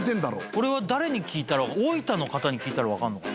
これは誰に聞いたら大分の方に聞いたらわかるのかな？